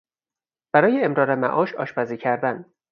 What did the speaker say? برای امرار معاش آشپزی کردن